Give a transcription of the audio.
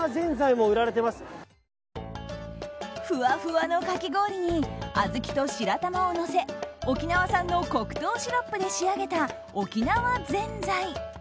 ふわふわのかき氷に小豆と白玉をのせ沖縄産の黒糖シロップで仕上げた沖縄ぜんざい。